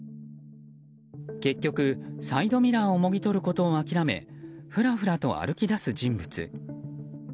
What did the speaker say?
結局、サイドミラーをもぎ取ることを諦めふらふらと歩き出す人物。